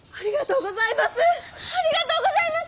ありがとうございます！